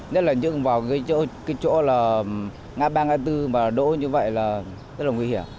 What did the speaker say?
nhất là những người vào cái chỗ là ngã ba ngã bốn mà đỗ như vậy là rất là nguy hiểm